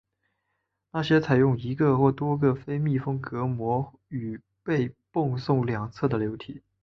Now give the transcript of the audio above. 那些采用一个或多个非密封隔膜与被泵送两侧的流体。